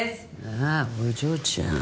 ああお嬢ちゃん。